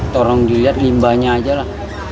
tolong dilihat limbahnya aja lah